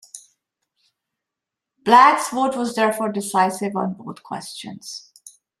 Black's vote was therefore decisive on both questions.